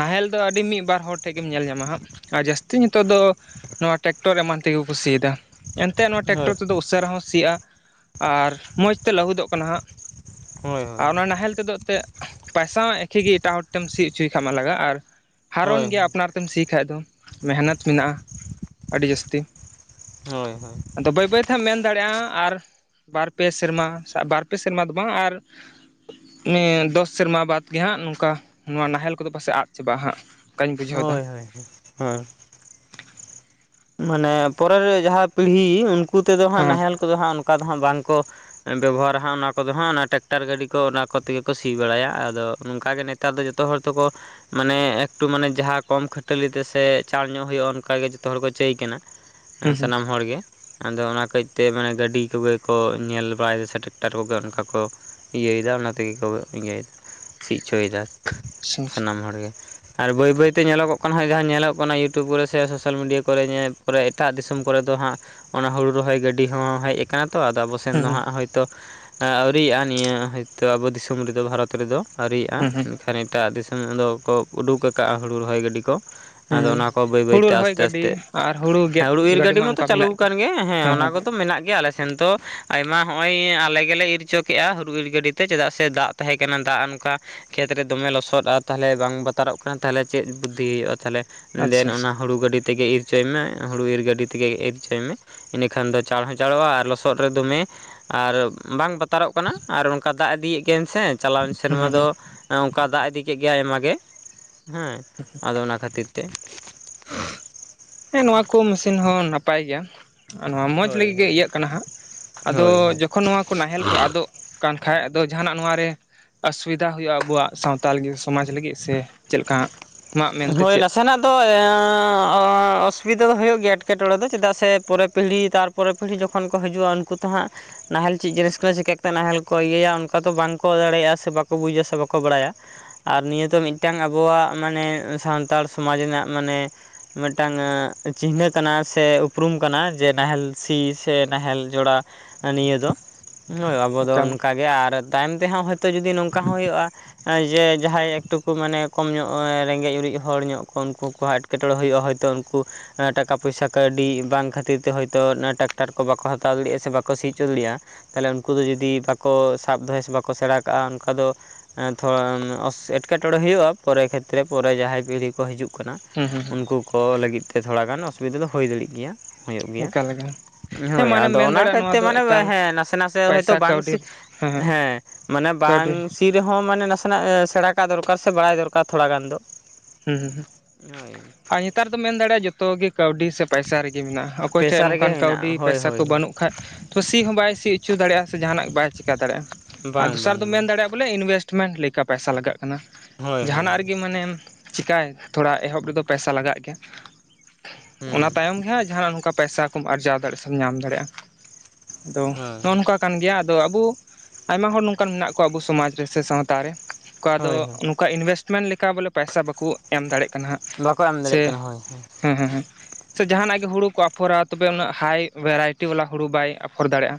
ᱱᱟᱦᱮᱞ ᱫᱚ ᱟᱹᱰᱤ ᱢᱤᱫ ᱵᱟᱨ ᱦᱚᱲ ᱴᱷᱮᱡ ᱜᱮᱢ ᱧᱮᱞ ᱧᱟᱢᱟ ᱦᱟᱸᱜ᱾ ᱟᱨ ᱡᱟᱹᱥᱛᱤ ᱧᱤᱛᱚᱜ ᱫᱚ ᱱᱚᱣᱟ ᱴᱨᱮᱠᱴᱚᱨ ᱮᱢᱟᱱ ᱛᱮᱜᱮ ᱠᱚ ᱥᱤᱭᱫᱟ᱾ ᱮᱱᱛᱮᱫ ᱱᱚᱣᱟ ᱴᱮᱠᱴᱚᱨ ᱛᱮᱫᱚ ᱩᱥᱟᱹᱨᱟ ᱦᱚᱸ ᱥᱤᱜᱼᱟ ᱟᱨ ᱢᱚᱡᱽ ᱛᱮ ᱞᱟᱹᱦᱩᱫᱚᱜ ᱠᱟᱱᱟ ᱦᱟᱸᱜ᱾ ᱟᱨ ᱚᱱᱟ ᱱᱟᱦᱮᱞ ᱛᱮᱫᱚ ᱛᱮᱫ ᱯᱟᱭᱥᱟ ᱢᱟ ᱮᱠᱷᱤ ᱜᱮ ᱮᱴᱟᱜ ᱦᱚᱲ ᱴᱮᱢ ᱥᱤ ᱩᱪᱩᱭ ᱠᱷᱟᱡ ᱢᱟ ᱞᱟᱜᱟᱜ ᱟᱨ ᱦᱟᱨᱚᱱ ᱜᱮᱭᱟ ᱟᱯᱱᱟᱨ ᱛᱮᱢ ᱥᱤ ᱠᱷᱟᱡ ᱫᱚ, ᱢᱮᱦᱱᱚᱛ ᱢᱮᱱᱟᱜᱼᱟ ᱟᱰᱤ ᱡᱟᱹᱥᱛᱤ᱾ ᱦᱳᱭ ᱦᱳᱭ᱾ ᱟᱫᱚ ᱵᱟᱹᱭ ᱵᱟᱹᱭᱛᱮ ᱦᱟᱸᱜ ᱮᱢ ᱢᱮᱱ ᱫᱟᱲᱮᱜᱼᱟ ᱟᱨ ᱵᱟᱨ ᱯᱮ ᱥᱮᱨᱢᱟ ᱥᱮ ᱵᱟᱨ ᱯᱮ ᱥᱮᱨᱢᱟ ᱫᱚ ᱵᱟᱝ ᱟᱨ [inaudible] ᱢᱮ ᱫᱚᱥ ᱥᱮᱨᱢᱟ ᱵᱟᱫᱽ ᱜᱮ ᱦᱟᱸᱜ ᱱᱚᱝᱠᱟ ᱱᱚᱣᱟ ᱱᱟᱦᱮᱞ ᱠᱚᱫᱚ ᱯᱟᱥᱮᱜ ᱟᱫ ᱪᱟᱵᱟᱜᱼᱟ ᱦᱟᱸᱜ᱾ ᱚᱱᱠᱟᱧ ᱵᱩᱡᱷᱟᱹᱣ ᱮᱫᱟ ᱦᱳᱭ ᱦᱳᱭ ᱦᱳᱭ, ᱦᱳᱭ᱾ ᱢᱟᱱᱮ ᱯᱚᱨᱮᱨ ᱡᱟᱦᱟᱸ ᱯᱤᱲᱦᱤ ᱩᱱᱠᱩ ᱛᱮᱫᱚ ᱦᱟᱸᱜ ᱦᱚᱸ ᱱᱟᱦᱮᱞ ᱠᱚᱫᱚ ᱦᱟᱸᱜ ᱚᱱᱠᱟ ᱫᱚ ᱦᱟᱸᱜ ᱵᱟᱝᱠᱚ ᱵᱮᱵᱚᱦᱟᱨᱟ ᱦᱟᱸᱜ ᱚᱱᱟ ᱠᱚᱫᱚ ᱦᱟᱸᱜ ᱚᱱᱟ ᱴᱮᱠᱴᱟᱨ ᱜᱟᱹᱰᱤ ᱠᱚ ᱚᱱᱟ ᱠᱚᱛᱮ ᱜᱮᱠᱚ ᱥᱤ ᱵᱟᱲᱟᱭᱟ ᱟᱫᱚ ᱱᱚᱝᱠᱟ ᱜᱮ ᱱᱮ ᱛᱟᱨ ᱫᱚ ᱡᱚᱛᱚ ᱦᱚᱲ ᱛᱮᱠᱚ ᱢᱟᱱᱮ ᱮᱠᱴᱩ ᱢᱟᱱᱮ ᱡᱟᱦᱟᱸ ᱠᱚᱢ ᱠᱷᱟᱹᱴᱟᱹᱞᱤ ᱛᱮ ᱥᱮ ᱪᱟᱸᱲ ᱧᱚᱜ ᱦᱩᱭᱩᱜᱼᱟ ᱚᱱᱠᱟ ᱜᱮ ᱡᱚᱛᱚ ᱦᱚᱲ ᱠᱚ ᱪᱟᱹᱭ ᱠᱟᱱᱟ, ᱮᱸ ᱦᱩᱸ ᱥᱟᱱᱟᱢ ᱦᱚᱲ ᱜᱮ᱾ ᱟᱫᱚ ᱚᱱᱟ ᱠᱟᱹᱪᱛᱮ ᱢᱟᱱᱮ ᱜᱟᱹᱰᱤ ᱠᱚᱜᱮ ᱠᱚ ᱧᱮᱞ ᱵᱟᱲᱟᱭᱫᱟ ᱥᱮ ᱴᱮᱠᱴᱟᱨ ᱠᱚᱜᱮ ᱚᱱᱠᱟ ᱠᱚ ᱤᱭᱟᱹᱭᱫᱟ ᱚᱱᱟ ᱛᱮᱜᱮ ᱠᱚ ᱤᱭᱟᱹ ᱥᱤ ᱚᱪᱚᱭᱫᱟ ᱦᱩᱸ ᱥᱟᱱᱟᱢ ᱦᱚᱲ ᱜᱮ᱾ ᱟᱨ ᱵᱟᱹᱭ ᱵᱟᱹᱭ ᱛᱮ ᱧᱮᱞᱚᱜᱚᱜ ᱠᱟᱱᱟ ᱦᱳᱭ ᱡᱟᱦᱟᱸ ᱧᱮᱞᱚᱜ ᱠᱟᱱᱟ ᱤᱭᱩᱴᱩᱵᱽ ᱠᱚᱨᱮ ᱥᱮ ᱥᱳᱥᱟᱞ ᱢᱤᱰᱤᱭᱟ ᱠᱚᱨᱮ ᱧᱮ ᱯᱚᱨᱮ ᱮᱴᱟᱜ ᱫᱤᱥᱚᱢ ᱠᱚᱨᱮ ᱫᱚ ᱦᱟᱸᱜ ᱚᱱᱟ ᱦᱩᱲᱩ ᱨᱚᱦᱚᱭ ᱜᱟᱹᱰᱤ ᱦᱚᱸ ᱦᱮᱡ ᱟᱠᱟᱱᱟ ᱛᱚ ᱟᱫᱚ ᱟᱵᱚ ᱥᱮᱱ ᱦᱩᱸ ᱫᱚ ᱦᱩᱸ ᱦᱟᱸᱜ ᱦᱳᱭᱛᱚ ᱮᱸ ᱟᱹᱣᱨᱤᱭᱟᱜᱼᱟ ᱱᱤᱭᱟᱹ ᱦᱳᱭᱛᱚ ᱟᱵᱚ ᱫᱤᱥᱚᱢ ᱨᱮᱫᱚ ᱵᱷᱟᱨᱚᱛ ᱨᱮᱫᱚ᱾ ᱟᱹᱣᱨᱤᱭᱟᱜᱼᱟ ᱦᱩᱸ ᱦᱩᱸ ᱮᱱᱠᱷᱟᱱ ᱮᱴᱟᱜ ᱫᱤᱥᱚᱢ ᱫᱚᱠᱚ ᱩᱰᱩᱠᱟ ᱠᱟᱜᱼᱟ ᱦᱩᱲᱩ ᱨᱚᱦᱚᱭ ᱜᱟᱹᱰᱤ ᱠᱚ᱾ ᱟᱫᱚ ᱦᱩᱸ ᱚᱱᱟ ᱠᱚ ᱵᱟᱹᱭ ᱦᱩᱲᱩ ᱵᱟᱹᱭᱛᱮ ᱨᱚᱦᱚᱭ ᱟᱥᱛᱮ ᱟᱥ ᱛᱮ, ᱜᱟᱹᱰᱤ ᱟᱨ ᱦᱮᱸ ᱜᱮᱫ ᱦᱩᱲᱩ ᱤᱨ ᱜᱟᱹᱰᱤ ᱢᱟ ᱢᱟᱛᱚ ᱚᱱᱠᱟ ᱢᱮᱱᱟᱜ ᱪᱟᱹᱞᱩᱣ ᱠᱟᱱ ᱜᱮ ᱦᱮᱸ ᱚᱱᱟ ᱠᱚᱫᱚ ᱢᱮᱱᱟᱜ ᱜᱮᱭᱟ ᱟᱞᱮ ᱥᱮ ᱥᱮᱱ ᱫᱚ ᱟᱭᱢᱟ ᱦᱚᱸᱜᱼᱚᱭ ᱟᱞᱮ ᱜᱮᱞᱮ ᱤᱨ ᱚᱪᱚ ᱠᱮᱜᱼᱟ ᱦᱩᱨᱩ ᱤᱨ ᱜᱟᱹᱰᱤ ᱛᱮ ᱪᱮᱫᱟᱜ ᱥᱮ ᱫᱟᱜ ᱛᱟᱦᱮᱸ ᱠᱟᱱᱟ ᱫᱟᱜ ᱚᱱᱠᱟ ᱠᱷᱮᱛ ᱨᱮ ᱫᱚᱢᱮ ᱞᱚᱥᱚᱫ ᱟᱨ ᱛᱟᱦᱞᱮ ᱵᱟᱝ ᱵᱟᱛᱟᱨᱚᱜ ᱠᱟᱱᱟ ᱛᱟᱦᱞᱮ ᱪᱮᱫ ᱵᱩᱫᱽᱫᱷᱤ ᱦᱩᱭᱩᱜᱼᱟ ᱛᱟᱦᱞᱮ ᱫᱮᱱ ᱟᱪᱪᱷᱟ ᱟᱪᱪᱷᱟ ᱚᱱᱟ ᱦᱩᱲᱩ ᱜᱟᱹᱰᱤ ᱛᱮᱜᱮ ᱤᱨ ᱚᱪᱚᱭ ᱢᱮ ᱦᱩᱲᱩ ᱤᱨ ᱜᱟᱹᱰᱤ ᱛᱮᱜᱮ ᱤᱨ ᱦᱚᱪᱚᱭ ᱢᱮ᱾ ᱤᱱᱟᱹ ᱠᱷᱟᱱ ᱫᱚ ᱪᱟᱬ ᱦᱚᱸ ᱪᱟᱸᱲᱚᱜᱼᱟ ᱟᱨ ᱞᱚᱥᱚᱫ ᱨᱮ ᱫᱚᱢᱮ ᱟᱨ ᱵᱟᱝ ᱵᱟᱛᱟᱨᱚᱜ ᱠᱟᱱᱟ ᱟᱨ ᱚᱱᱠᱟ ᱫᱟᱜ ᱤᱫᱤᱭᱮᱜ ᱜᱤᱭᱟᱹᱧ ᱥᱮ᱾ ᱪᱟᱞᱟᱣᱮᱱ ᱥᱮᱨᱢᱟ ᱦᱩᱸ ᱫᱚ ᱦᱩᱸ ᱚᱝᱠᱟ ᱫᱟᱜ ᱤᱫᱤ ᱠᱮᱜ ᱜᱮᱭᱟᱭ ᱟᱭᱢᱟ ᱜᱮ, ᱦᱮᱸ, ᱟᱫᱚ ᱚᱱᱟ ᱠᱷᱟᱛᱤᱨ ᱛᱮ᱾ ᱦᱮᱸ ᱱᱚᱣᱟ ᱠᱚ ᱢᱮᱥᱤᱱ ᱦᱚᱸ ᱱᱟᱯᱟᱭ ᱜᱮᱭᱟ᱾ ᱱᱚᱣᱟ ᱢᱚᱸᱡᱽ ᱦᱳᱭ ᱞᱟᱹᱜᱤᱫ ᱜᱮ ᱦᱳᱭ ᱤᱭᱟᱹᱜ ᱠᱟᱱᱟ ᱦᱟᱸᱜ, ᱟᱫᱚ ᱦᱳᱭ ᱦᱳᱭ ᱡᱚᱠᱷᱚᱱ ᱱᱚᱣᱟ ᱠᱚ ᱱᱟᱦᱮᱞ ᱠᱚ ᱟᱫᱚᱜ ᱠᱟᱱ ᱠᱷᱟᱡ ᱟᱫᱚ ᱡᱟᱸᱦᱟᱱᱟᱜ ᱱᱚᱣᱟ ᱨᱮ ᱟᱥᱩᱵᱤᱫᱷᱟ ᱦᱩᱭᱩᱜᱼᱟ ᱟᱵᱚᱣᱟᱜ ᱥᱟᱶᱛᱟᱞ ᱥᱚᱢᱟᱡ ᱞᱟᱹᱜᱤᱫ ᱥᱮ ᱪᱮᱜ ᱞᱮᱠᱟ ᱦᱟᱸᱜ? ᱟᱢᱟᱜ ᱢᱮᱱᱛᱮ ᱦᱳᱭ ᱱᱟᱥᱮᱱᱟᱜ ᱫᱚ [inaudible] [unintelligible] ᱚᱥᱩᱵᱤᱫᱟ ᱫᱚ ᱦᱳᱭᱳᱜ ᱜᱮᱭᱟ ᱮᱴᱠᱮᱴᱚᱬᱮ ᱫᱚ ᱪᱮᱫᱟᱜ ᱥᱮ ᱯᱚᱨᱮ ᱯᱤᱦᱲᱤ ᱛᱟᱨᱯᱚᱨ ᱯᱤᱦᱲᱤ ᱡᱚᱠᱷᱚᱱ ᱠᱚ ᱦᱤᱡᱩᱜᱼᱟ ᱩᱱᱠᱩ ᱛᱚ ᱦᱟᱸᱜ ᱱᱟᱦᱮᱞ ᱪᱮᱫ ᱡᱤᱱᱤᱥ ᱠᱟᱱᱟ ᱪᱤᱠᱟᱹ ᱠᱟᱛᱮᱫ ᱱᱟᱦᱮᱞ ᱠᱚ ᱤᱭᱟᱹᱭᱟ ᱚᱱᱠᱟ ᱫᱚ ᱵᱟᱝᱠᱚ ᱫᱟᱲᱮᱭᱟᱜᱼᱟ ᱥᱮ ᱵᱟᱠᱚ ᱵᱩᱡᱟ ᱥᱮ ᱵᱟᱠᱚ ᱵᱟᱲᱟᱭᱟ᱾ ᱟᱨ ᱱᱤᱭᱟᱹ ᱫᱚ ᱢᱤᱫᱴᱟᱝ ᱟᱵᱚᱣᱟᱜ ᱢᱟᱱᱮ ᱥᱟᱱᱛᱟᱲ ᱥᱚᱢᱟᱡᱽ ᱨᱮᱱᱟᱜ ᱢᱟᱱᱮ ᱢᱤᱫᱴᱟᱝ ᱪᱤᱦᱱᱟᱹ ᱠᱟᱱᱟ ᱥᱮ ᱩᱯᱨᱩᱢ ᱠᱟᱱᱟ ᱡᱮ ᱱᱟᱦᱮᱞ ᱥᱤ ᱥᱮ ᱱᱟᱦᱮᱞ ᱡᱚᱲᱟᱣ᱾ ᱱᱤᱭᱟᱹ ᱫᱚ ᱟᱵᱚ ᱫᱚ ᱮᱠᱟᱞ ᱚᱱᱠᱟᱜᱮ ᱟᱨ ᱛᱟᱭᱚᱢ ᱛᱮᱦᱚᱸ ᱦᱳᱭᱛᱚ ᱡᱚᱫᱤ ᱱᱚᱝᱠᱟ ᱦᱚᱸ ᱦᱳᱭᱳᱜᱼᱟ ᱡᱮ ᱡᱟᱦᱟᱸᱭ ᱮᱠᱴᱩᱠᱩ ᱢᱟᱱᱮ ᱠᱚᱢ ᱧᱚᱸᱜ ᱨᱮᱸᱜᱮᱡ ᱚᱨᱮᱡ ᱦᱚᱲ ᱧᱚᱜ ᱠᱚ ᱩᱱᱠᱩ ᱠᱚᱣᱟᱜ ᱮᱴᱠᱮᱴᱚᱬᱮ ᱦᱩᱭᱩᱜᱼᱟ ᱦᱚᱭᱛᱚ ᱩᱱᱠᱩ ᱴᱟᱠᱟ ᱯᱚᱭᱥᱟ ᱠᱟᱹᱣᱰᱤ ᱵᱟᱝ ᱠᱷᱟᱹᱛᱤᱨ ᱛᱮ ᱦᱚᱳᱭᱛᱳ ᱴᱟᱠᱴᱟᱨ ᱠᱚ ᱵᱟᱠᱚ ᱦᱟᱛᱟᱣ ᱫᱟᱲᱤᱭᱟᱜᱼᱟ ᱥᱮ ᱵᱟᱠᱚ ᱥᱤ ᱦᱚᱪᱚ ᱫᱟᱲᱤᱭᱟᱜᱼᱟ᱾ ᱛᱟᱦᱚᱞᱮ ᱩᱱᱠᱩ ᱫᱚ ᱡᱩᱫᱤ ᱵᱟᱠᱚ ᱥᱟᱵ ᱫᱚᱦᱚᱭ ᱥᱮ ᱵᱟᱠᱚ ᱥᱮᱬᱟ ᱠᱟᱜᱼᱟ ᱚᱱᱠᱟ ᱫᱚ ᱛᱷᱚᱲᱟ ᱮᱴᱠᱮᱴᱚᱬᱮ ᱦᱩᱭᱩᱜᱼᱟ ᱯᱚᱨᱮ ᱠᱷᱮᱛᱨᱮ ᱯᱚᱨᱮ ᱡᱟᱦᱟᱸᱭ ᱯᱤᱦᱲᱤ ᱠᱚ ᱦᱤᱡᱩᱜ ᱠᱟᱱᱟ, ᱦᱩᱸ ᱦᱩᱸ ᱩᱱᱠᱩ ᱠᱚ ᱞᱟᱹᱜᱤᱫ ᱛᱮ ᱛᱷᱚᱲᱟ ᱜᱟᱱ ᱚᱥᱩᱵᱤᱫᱟ ᱫᱚ ᱦᱩᱭ ᱫᱟᱲᱤᱜ ᱜᱮᱭᱟ᱾ ᱦᱩᱭᱩᱜ ᱜᱮᱭᱟ ᱮᱠᱟᱞ ᱮᱠᱟᱞ ᱦᱮᱸ ᱦᱳᱭ ᱢᱟᱱᱮᱢ ᱟᱫᱚ ᱢᱮᱱ ᱚᱱᱟ ᱫᱟᱲᱮᱭᱟᱜᱼᱟ ᱱᱚᱣᱟ ᱠᱷᱮᱛᱛᱮ ᱫᱚ ᱢᱟᱱᱮ ᱮᱠᱟᱞ ᱦᱮᱸ ᱱᱟᱥᱮ ᱱᱟᱥᱮ ᱦᱳᱭᱛᱚ ᱵᱟᱝ ᱥᱤ ᱦᱮᱸ ᱢᱟᱱᱮ ᱵᱟᱝ ᱠᱟᱹᱣᱰᱤ ᱥᱤ ᱨᱮᱦᱚᱸ ᱢᱟᱱᱮ ᱱᱟᱥᱮᱱᱟᱜ ᱥᱮᱬᱟ ᱠᱟᱜ ᱫᱚᱨᱠᱟᱨ ᱥᱮ ᱵᱟᱲᱟᱭ ᱫᱚᱨᱠᱟᱨ ᱛᱷᱚᱲᱟ ᱜᱟᱱ ᱫᱚ᱾ ᱦᱩᱸ ᱦᱩᱸ ᱦᱳᱭ ᱟᱨ ᱱᱮᱛᱟᱨ ᱫᱚᱢ ᱢᱮᱱ ᱫᱟᱲᱮᱭᱟᱜᱼᱟ ᱡᱚᱛᱚ ᱜᱮ ᱠᱟᱹᱣᱰᱤ ᱥᱮ ᱯᱟᱭᱥᱟ ᱨᱮᱜᱤ ᱢᱮᱱᱟᱜᱼᱟ ᱚᱠᱚᱭ ᱴᱷᱮ ᱯᱮᱥᱟ ᱨᱮᱜᱮ ᱱᱚᱝᱠᱟᱱ ᱠᱟᱹᱣᱰᱤ ᱦᱮᱱᱟᱜᱼᱟ ᱦᱳᱭ ᱯᱟᱭᱥᱟ ᱠᱚ ᱦᱳᱭ ᱦᱳᱭ ᱵᱟᱹᱱᱩᱜ ᱠᱷᱟᱡ ᱛᱚ ᱥᱤ ᱦᱚᱸ ᱵᱟᱭ ᱥᱤ ᱚᱪᱚ ᱫᱟᱲᱮᱜᱼᱟ ᱥᱮ ᱡᱟᱦᱟᱱᱟᱜ ᱵᱟᱭ ᱪᱮᱠᱟ ᱫᱟᱲᱮᱜᱼᱟ ᱟᱨ ᱵᱟᱝ ᱫᱚᱥᱟᱨ ᱫᱚᱢ ᱵᱟᱝ ᱵᱟᱝ ᱢᱮᱱ ᱫᱟᱲᱮᱜᱼᱟ ᱵᱚᱞᱮ ᱤᱱᱵᱷᱮᱥᱴᱢᱮᱱᱴ ᱞᱮᱠᱟ ᱯᱟᱭᱥᱟ ᱞᱟᱜᱟᱜ ᱠᱟᱱᱟ ᱦᱳᱭ ᱦᱳᱭ ᱡᱟᱸᱦᱟᱱᱼᱟᱜ ᱨᱮᱜᱮ ᱢᱟᱱᱮ ᱪᱤᱠᱟᱭ ᱛᱷᱚᱲᱟ ᱮᱦᱚᱵ ᱨᱮᱫᱚ ᱯᱚᱭᱥᱟ ᱞᱟᱜᱟᱜ ᱜᱮ᱾ ᱚᱱᱟ ᱦᱩᱸ ᱛᱟᱭᱚᱢ ᱜᱮ ᱦᱟᱸᱜ ᱡᱟᱦᱟᱸᱱᱼᱟᱜ ᱱᱚᱝᱠᱟ ᱯᱚᱭᱥᱟ ᱠᱚᱢ ᱟᱨᱡᱟᱣ ᱫᱟᱲᱮᱜᱼᱟ ᱥᱮᱢ ᱧᱟᱢ ᱫᱟᱲᱮᱜᱼᱟ᱾ ᱟᱫᱚ ᱦᱳᱭ ᱦᱮᱸ ᱱᱚᱝᱠᱟ ᱠᱟᱱ ᱜᱮᱭᱟ ᱟᱫᱚ ᱟᱵᱩ ᱟᱭᱢᱟ ᱦᱚᱲ ᱱᱚᱝᱠᱟᱱ ᱢᱮᱱᱟᱜ ᱠᱚᱣᱟ ᱟᱵᱩ ᱥᱚᱢᱟᱡᱽ ᱨᱮ ᱥᱮ ᱥᱟᱶᱛᱟ ᱨᱮ ᱟᱫᱚ ᱦᱳᱭ ᱦᱳᱭ ᱚᱠᱟ ᱤᱱᱵᱷᱮᱥᱢᱮᱱᱴ ᱞᱮᱠᱟ ᱵᱚᱞᱮ ᱯᱟᱭᱥᱟ ᱵᱟᱠᱚ ᱮᱢ ᱫᱟᱲᱮᱜ ᱠᱟᱱᱟ ᱦᱟᱸᱜ ᱵᱟᱠᱚ ᱮᱢ ᱥᱮ ᱫᱟᱲᱮᱭᱟᱜ ᱠᱟᱱᱟ ᱦᱳᱭ ᱦᱮᱸ ᱦᱮᱸ ᱦᱮᱸ, ᱥᱮ ᱡᱟᱦᱟᱸᱱᱼᱟᱜ ᱜᱮ ᱦᱩᱲᱩ ᱠᱚ ᱟᱯᱷᱚᱨᱟ ᱛᱚᱵᱮ ᱩᱱᱟᱹᱜ ᱦᱟᱭ ᱵᱷᱮᱨᱟᱭᱴᱤ ᱵᱟᱞᱟ ᱦᱩᱲᱩ ᱵᱟᱭ ᱟᱯᱷᱚᱨ ᱫᱟᱲᱮᱜᱼᱟ᱾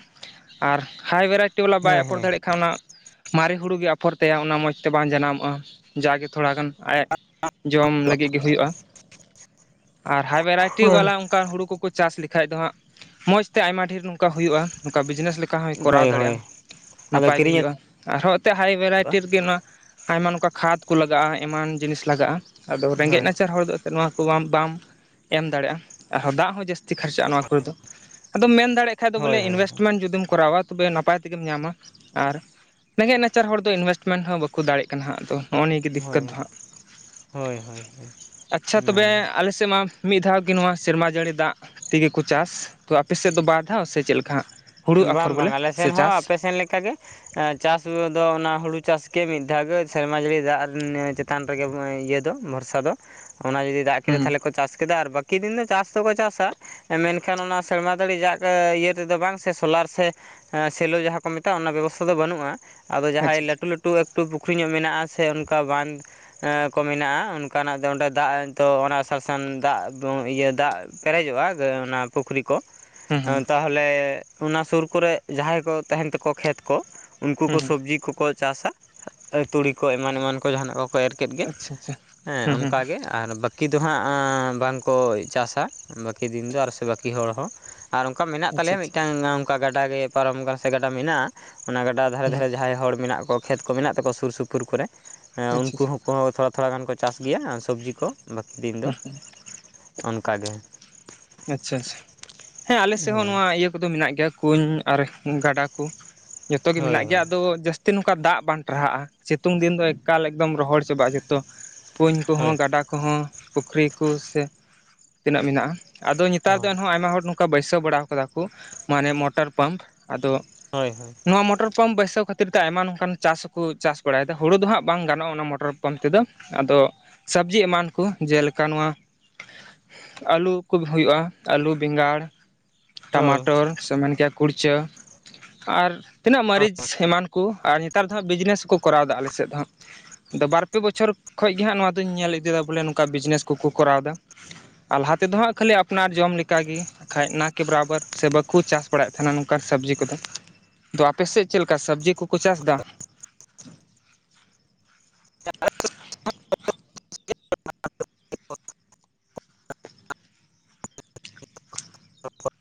ᱟᱨ ᱦᱟᱭ ᱵᱷᱮᱨᱟᱭᱴᱤ ᱵᱟᱞᱟ ᱵᱟᱭ ᱦᱳᱭ ᱟᱯᱚᱨ ᱦᱳᱭ ᱫᱟᱲᱮᱜ ᱠᱷᱟᱱ ᱚᱱᱟ ᱢᱟᱨᱮ ᱦᱩᱲᱩ ᱜᱮ ᱟᱯᱷᱚᱨ ᱛᱟᱭᱟ ᱚᱱᱟ ᱢᱚᱡᱽᱛᱮ ᱵᱟᱝ ᱡᱟᱱᱟᱢᱚᱜᱼᱟ ᱡᱟᱜᱮ ᱛᱷᱚᱲᱟ ᱜᱟᱱ ᱟᱡ ᱡᱚᱢ ᱞᱟᱹᱜᱤᱫ ᱜᱮ ᱦᱩᱭᱩᱜᱼᱟ ᱟᱨ ᱦᱟᱭ ᱵᱷᱮᱨᱟᱭᱴᱤ ᱦᱳᱭ ᱵᱟᱞᱟ ᱚᱝᱠᱟᱱ ᱦᱩᱲᱩ ᱠᱚᱠᱚ ᱪᱟᱥ ᱞᱮᱠᱷᱟᱡ ᱫᱚ ᱦᱟᱸᱜ ᱢᱚᱡᱽ ᱛᱮ ᱟᱭᱢᱟ ᱰᱷᱮᱨ ᱚᱱᱠᱟ ᱦᱩᱭᱩᱜᱼᱟ ᱚᱱᱠᱟ ᱵᱤᱡᱽᱱᱮᱥ ᱞᱮᱠᱟ ᱦᱚᱸᱭ ᱠᱚᱨᱟᱣ ᱦᱳᱭ ᱫᱟᱲᱮᱜᱼᱟ ᱦᱳᱭ ᱟᱫᱚ ᱱᱟᱯᱟᱭ ᱜᱮ ᱠᱤᱨᱤᱧ ᱦᱩᱭᱩᱜᱼᱟ᱾ ᱟᱨᱦᱚᱸ ᱦᱟᱭ ᱵᱷᱮᱨᱟᱭᱴᱤ ᱦᱩᱭᱩᱜᱼᱟ ᱨᱮᱜᱮ ᱚᱱᱟ ᱟᱭᱢᱟ ᱱᱚᱝᱠᱟ ᱠᱷᱟᱫᱽ ᱠᱚ ᱞᱟᱜᱟᱜᱼᱟ ᱮᱢᱟᱱ ᱡᱤᱱᱤᱥ ᱞᱟᱜᱟᱜᱼᱟ᱾ ᱟᱫᱚ ᱨᱮᱸᱜᱮᱡ ᱦᱳᱭ ᱱᱟᱪᱟᱨ ᱦᱚᱲ ᱫᱚ ᱮᱱᱛᱮᱜ ᱱᱚᱣᱟ ᱠᱚ ᱵᱟᱢ ᱮᱢ ᱫᱟᱲᱮᱜᱼᱟ ᱟᱨ ᱫᱟᱜ ᱦᱚᱸ ᱡᱟᱹᱥᱛᱤ ᱠᱷᱚᱨᱪᱟᱜᱼᱟ ᱱᱚᱣᱟ ᱠᱚᱨᱮ ᱫᱚ ᱟᱫᱚ ᱢᱮᱱ ᱫᱟᱲᱮᱜ ᱠᱷᱟᱡ ᱫᱚ ᱵᱚᱞᱮ ᱦᱳᱭ ᱦᱳᱭ ᱤᱱᱵᱷᱮᱥᱴᱢᱮᱱᱴ ᱡᱩᱫᱤᱢ ᱠᱚᱨᱟᱣᱟ ᱛᱚᱵᱮ ᱱᱟᱯᱟᱭ ᱛᱮᱜᱮᱢ ᱧᱟᱢᱟ ᱟᱨ ᱨᱮᱸᱜᱮᱡ ᱱᱟᱪᱟᱨ ᱦᱚᱲ ᱫᱚ ᱤᱱᱵᱷᱮᱥᱢᱮᱱᱴ ᱦᱚᱸ ᱵᱟᱠᱩ ᱫᱟᱲᱮᱜ ᱠᱟᱱᱟ ᱦᱟᱸᱜ ᱟᱫᱚ ᱱᱚᱜᱼᱚ ᱱᱤᱭᱟᱹ ᱜᱮ ᱦᱳᱭ ᱫᱤᱠᱠᱚᱛ ᱫᱚ ᱦᱟᱸᱜ ᱦᱳᱭ ᱦᱳᱭ ᱦᱳᱭ, ᱟᱪᱪᱷᱟ ᱛᱚᱵᱮ ᱚᱱᱟᱜᱮ ᱟᱞᱮᱥᱮᱫ ᱢᱟ ᱢᱤᱫ ᱫᱷᱟᱣ ᱜᱮ ᱱᱚᱣᱟ ᱥᱮᱨᱢᱟ ᱡᱟᱹᱲᱤ ᱫᱟᱜ ᱛᱮᱜᱮ ᱠᱚ ᱪᱟᱥ ᱛᱚ ᱟᱯᱮ ᱥᱮᱫ ᱫᱚ ᱵᱟᱨ ᱫᱷᱟᱣ ᱥᱮ ᱪᱮᱫ ᱞᱮᱠᱟ ᱦᱟᱸᱜ? ᱦᱩᱲᱩ ᱟᱯᱷᱚᱨ ᱵᱟᱝ ᱵᱚᱞᱮ ᱵᱟᱝ ᱟᱞᱮ ᱥᱮ ᱥᱮᱱ ᱦᱚᱸ ᱪᱟᱥ ᱟᱯᱮ ᱥᱮᱱ ᱞᱮᱠᱟ ᱜᱮ᱾ ᱪᱟᱥ ᱫᱚ ᱚᱱᱟ ᱦᱩᱲᱩ ᱪᱟᱥ ᱜᱮ ᱢᱤᱫ ᱫᱷᱟᱣ ᱜᱮ ᱥᱮᱨᱢᱟ ᱡᱟᱹᱲᱤ ᱫᱟᱜ ᱪᱮᱛᱟᱱ ᱪᱮᱛᱟᱱ ᱨᱮᱜᱮ ᱤᱭᱟᱹ ᱫᱚ ᱵᱷᱚᱨᱥᱟ ᱫᱚ ᱚᱱᱟ ᱡᱩᱫᱤ ᱫᱟᱜ ᱦᱩᱸ ᱠᱮᱫᱟ ᱦᱩᱸ ᱛᱟᱦᱞᱮ ᱠᱚ ᱪᱟᱥ ᱠᱮᱫᱟ ᱟᱨ ᱵᱟᱠᱤ ᱫᱤᱱ ᱫᱚ ᱪᱟᱥ ᱫᱚᱠᱚ ᱪᱟᱥᱟ ᱢᱮᱱᱠᱷᱟᱱ ᱚᱱᱟ ᱥᱮᱨᱢᱟ ᱡᱟᱹᱲᱤ ᱫᱟᱜ ᱤᱭᱟᱹ ᱛᱮᱫᱚ ᱵᱟᱝ ᱥᱮ ᱥᱳᱞᱟᱨ ᱥᱮ ᱥᱮᱞᱳ ᱡᱟᱦᱟᱸ ᱠᱚ ᱢᱮᱛᱟᱜᱼᱟ ᱚᱱᱟ ᱵᱮᱵᱚᱥᱛᱷᱟ ᱫᱚ ᱵᱟᱹᱱᱩᱜᱼᱟ ᱟᱫᱚ ᱟᱪᱪᱷᱟ ᱡᱟᱦᱟᱸᱭ ᱟᱪᱪᱷᱟ ᱞᱟᱹᱴᱩ ᱞᱟᱹᱴᱩ ᱮᱠᱴᱩ ᱮᱠᱴᱩ ᱯᱩᱠᱷᱨᱤ ᱧᱚᱜ ᱢᱮᱱᱟᱜᱼᱟ ᱥᱮ ᱚᱱᱠᱟ ᱵᱟᱸᱫᱷ [unintelligible] ᱠᱚ ᱢᱮᱱᱟᱜᱼᱟ ᱚᱱᱠᱟᱱᱟᱜ ᱫᱚ ᱚᱸᱰᱮ ᱫᱟᱜ ᱛᱚ ᱚᱱᱟ [unintelligible] ᱫᱟᱜ ᱫᱚ ᱤᱭᱟᱹ ᱫᱟᱜ ᱯᱮᱨᱮᱡᱚᱜᱼᱟ ᱟᱫᱚ ᱚᱱᱟ ᱯᱩᱠᱷᱨᱤ ᱠᱚ ᱦᱩᱸ ᱦᱩᱸ ᱾ ᱛᱟᱦᱚᱞᱮ ᱚᱱᱟ ᱥᱩᱨ ᱠᱚᱨᱮᱜ ᱡᱟᱦᱟᱸᱭ ᱠᱚ ᱛᱟᱦᱮᱱ ᱛᱟᱠᱚᱣᱟ ᱠᱷᱮᱛ ᱠᱚ ᱩᱱᱠᱩ ᱦᱩᱸ ᱠᱚ ᱦᱩᱸ ᱥᱚᱵᱽᱡᱤ ᱠᱚᱠᱚ ᱪᱟᱥᱟ, ᱛᱩᱲᱤ ᱠᱚ ᱮᱢᱟᱱ ᱮᱢᱟᱱ ᱠᱚ ᱡᱟᱦᱟᱸᱱᱼᱟᱜ ᱠᱚᱠᱚ ᱮᱨ ᱠᱮᱫ ᱜᱮ ᱟᱪᱪᱷᱟ ᱟᱪᱪᱷᱟ ᱾ [inaudible] ᱦᱮᱸ ᱦᱩᱸ ᱦᱩᱸ ᱚᱱᱠᱟ ᱜᱮ ᱟᱨ ᱵᱟᱠ ᱵᱟᱹᱠᱤ ᱫᱚ ᱦᱟᱸᱜ ᱟᱸᱻ ᱵᱟᱝᱠᱚ ᱪᱟᱥᱟ ᱵᱟᱹᱠᱤ ᱫᱤᱱ ᱫᱚ ᱟᱨ ᱥᱮ ᱵᱟᱹᱠᱤ ᱦᱚᱲ ᱦᱚᱸ ᱾ ᱟᱨ ᱚᱱᱠᱟ ᱢᱮᱱᱟᱜ ᱟᱪᱪᱷᱟ ᱛᱟᱞᱮᱭᱟ ᱟᱪᱪᱷᱟ ᱢᱤᱫᱴᱟᱝ ᱚᱱᱠᱟ ᱜᱟᱰᱟ ᱜᱮ ᱯᱟᱨᱚᱢ ᱟᱠᱟᱱᱟ ᱥᱮ ᱜᱟᱰᱟ ᱢᱮᱱᱟᱜᱼᱟ, ᱚᱱᱟ ᱜᱟᱰᱟ ᱫᱷᱟᱨᱮ ᱦᱩᱸ ᱫᱷᱟᱨᱮ ᱡᱟᱦᱟᱸᱭ ᱦᱚᱲ ᱢᱮᱱᱟᱜ ᱠᱚᱣᱟ ᱠᱷᱮᱛ ᱠᱚ ᱢᱮᱱᱟᱜ ᱛᱟᱠᱚᱣᱟ ᱥᱩᱨ ᱥᱩᱯᱩᱨ ᱠᱚᱨᱮ ᱟᱪᱪᱷᱟ ᱩᱱᱠᱩ ᱟᱪᱪᱷᱟ ᱦᱚᱠᱚᱸ ᱛᱷᱚ ᱛᱷᱚᱲᱟ ᱜᱟᱱ ᱠᱚ ᱪᱟᱥ ᱜᱮᱭᱟ ᱥᱚᱵᱽᱡᱤ ᱠᱚ ᱵᱟᱹᱠᱤ ᱫᱤᱱ ᱫᱚ ᱦᱩᱸ [inaudible] ᱚᱱᱠᱟ ᱜᱮ ᱾ ᱟᱪᱪᱷᱟ ᱟᱪᱪᱷᱟ ᱾ ᱦᱮᱸ ᱟᱞᱮ ᱥᱮᱫ ᱦᱚᱸ ᱱᱚᱣᱟ ᱤᱭᱟᱹ ᱠᱚᱫᱚ ᱢᱮᱱᱟᱜ ᱜᱮᱭᱟ ᱾ ᱠᱩᱧ ᱟᱨ ᱜᱟᱰᱟ ᱠᱚ ᱡᱚᱛᱚ ᱜᱮ ᱢᱮᱱᱟᱜ ᱜᱮᱭᱟ ᱾ ᱟᱫᱚ ᱡᱟᱹᱥ ᱛᱤ ᱱᱚᱝᱠᱟ ᱫᱟᱜ ᱵᱟᱝ ᱴᱟᱨᱦᱟᱜᱼᱟ ᱥᱤᱛᱩᱝ ᱫᱤᱱ ᱫᱚ ᱮᱠᱟᱞ ᱮᱠᱫᱚᱢ ᱨᱚᱦᱚᱲ ᱪᱟᱵᱟᱜᱼᱟ ᱡᱚᱛᱚ ᱾ ᱠᱩᱧ ᱠᱚᱦᱚᱸ ᱦᱳᱭ ᱜᱟᱰᱟ ᱠᱚᱦᱚᱸ ᱯᱩᱠᱷᱨᱤ ᱠᱚ ᱥᱮ [inaudible] ᱛᱤᱱᱟᱹᱜ ᱢᱮᱱᱟᱜᱼᱟ ᱾ ᱟᱫᱚ ᱱᱮᱛᱟᱨ ᱫᱚ ᱦᱳᱭ ᱮᱱᱦᱚᱸ ᱟᱭᱢᱟ ᱦᱚᱲ ᱱᱚᱝᱠᱟ ᱵᱟᱹᱭᱥᱟᱹᱣ ᱵᱟᱲᱟ ᱟᱠᱟᱫᱟ ᱠᱚ ᱢᱟᱱᱮ ᱢᱚᱴᱚᱨ ᱯᱟᱢᱯ ᱟᱫᱚ ᱦᱳᱭ ᱦᱳᱭ ᱾ ᱱᱚᱣᱟ ᱢᱚᱴᱚᱨ ᱯᱟᱢᱯ ᱵᱟᱹᱭᱥᱟᱹᱣ ᱠᱷᱟᱹᱛᱤᱨ ᱛᱮ ᱟᱭᱢᱟ ᱱᱚᱝᱠᱟᱱ ᱪᱟᱥ ᱦᱚᱸᱠᱚ ᱪᱟᱥ ᱵᱟᱲᱟᱭᱮᱫᱟ, ᱦᱩᱲᱩ ᱫᱚ ᱦᱟᱸᱜ ᱵᱟᱝ ᱜᱟᱱᱚᱜᱼᱟ ᱚᱱᱟ ᱢᱚᱴᱚᱨ ᱯᱟᱢᱯ ᱛᱮᱫᱚ ᱾ ᱟᱫᱚ ᱥᱚᱵᱽᱡᱤ ᱮᱢᱟᱱ ᱠᱩ ᱡᱮᱞᱮᱠᱟ ᱱᱚᱣᱟ ᱟᱹᱞᱩ ᱠᱷᱩᱵ ᱦᱩᱭᱩᱜᱼᱟ ᱟᱹᱞᱩ ᱵᱮᱸᱜᱟᱲ [inaudible] ᱦᱳᱭ ᱴᱟᱢᱟᱴᱚᱨ ᱥᱮ ᱢᱮᱱ ᱠᱮᱭᱟ ᱠᱩᱲᱪᱟᱹ ᱟᱨ ᱛᱤᱱᱟᱹᱜ ᱢᱟᱹᱨᱤᱪ ᱮᱢᱟᱱ ᱠᱩᱱᱟᱨ ᱱᱮᱛᱟᱨ ᱫᱚ ᱦᱟᱸᱜ ᱵᱤᱡᱽᱱᱮᱥ ᱠᱚᱠᱚ ᱠᱚᱨᱟᱣ ᱮᱫᱟ ᱟᱞᱮ ᱥᱮᱫ ᱫᱚ ᱦᱟᱸᱜ ᱾ ᱟᱫᱚ ᱵᱟᱨ ᱯᱮ ᱵᱚᱪᱷᱚᱨ ᱠᱷᱚᱡ ᱜᱮ ᱦᱟᱸᱜ ᱱᱚᱣᱟ ᱫᱚᱧ ᱧᱮᱞ ᱤᱫᱤ ᱭᱮᱫᱟ ᱵᱚᱞᱮ ᱱᱚᱝᱠᱟ ᱵᱤᱡᱽᱱᱮᱥ ᱠᱚᱠᱚ ᱠᱚᱨᱟᱣ ᱮᱫᱟ ᱾ ᱟᱨ ᱞᱟᱦᱟ ᱛᱮᱫᱚ ᱦᱟᱸᱜ ᱠᱷᱟᱹᱞᱤ ᱟᱯᱱᱟᱨ ᱡᱚᱢ ᱞᱮᱠᱟ ᱜᱮ ᱾ ᱵᱟᱠᱷᱟᱡ ᱱᱟ ᱠᱮ ᱵᱟᱨᱟᱵᱚᱨ ᱥᱮ ᱵᱟᱠᱚ ᱪᱟᱥ ᱵᱟᱲᱟᱭᱮᱫ ᱛᱟᱦᱮᱱᱟ ᱱᱚᱝᱠᱟᱱ ᱥᱚᱵᱽᱡᱤ ᱠᱚᱫᱚ ᱾ ᱟᱫᱚ ᱟᱯᱮ ᱥᱮᱫ ᱪᱮᱫ ᱞᱮᱠᱟ ᱥᱚᱵᱽᱡᱤ ᱠᱚᱠᱚ ᱪᱟᱥ ᱮᱫᱟ? [unintelligible] [unintelligible]